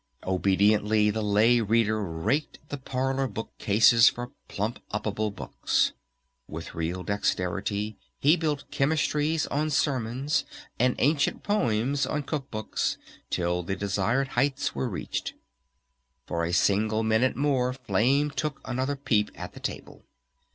Obediently the Lay Reader raked the parlor book cases for "plump upable" books. With real dexterity he built Chemistries on Sermons and Ancient Poems on Cook Books till the desired heights were reached. For a single minute more Flame took another peep at the table.